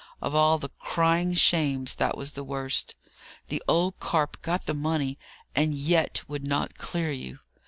Of all the crying shames, that was the worst! The old carp got the money, and yet would not clear you!